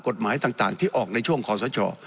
กฎหมายต่างที่ออกในช่วงขอสช